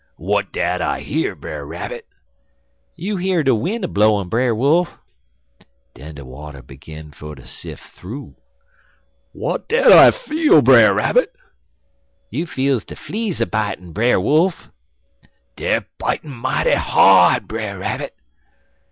"'W'at dat I hear, Brer Rabbit?' "'You hear de win' a blowin', Brer Wolf.' "Den de water begin fer ter sif' thoo. "'W'at dat I feel, Brer Rabbit?' "'You feels de fleas a bitin', Brer Wolf.' "'Dey er bitin' mighty hard, Brer Rabbit.'